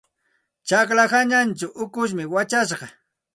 Tsaqlla hanachaw ukushmi wachashqa.